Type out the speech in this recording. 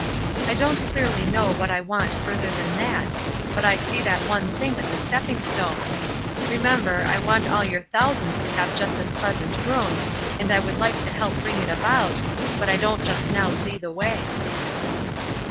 I don't clearly know what I want further than that, but I see that one thing as a stepping stone. Remember, I want all your thousands to have just as pleasant rooms, and I would like to help to bring it about, but I don't just now see the way."